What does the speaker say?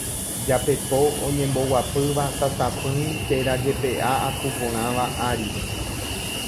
japepo oñemboguapýva tatapỹi térã jepe'a akuporãva ári.